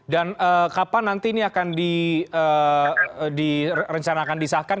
dan kapan nanti ini akan direncanakan disahkan